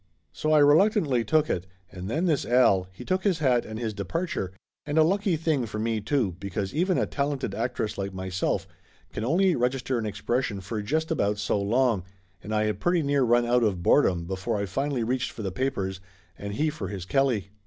So I reluctantly took it and then this Al, he took his hat and his departure, and a lucky thing for me, too, because even a talented actress like myself can only register an expression for just about so long, and I had pretty near run out of boredom before I finally reached for the papers and he for his Kelly.